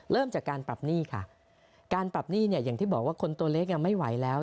เริ่มจากการปรับหนี้ค่ะการปรับหนี้เนี่ยอย่างที่บอกว่าคนตัวเล็กยังไม่ไหวแล้ว